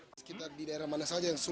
yang terakhir ini kecamatan sidowe kompi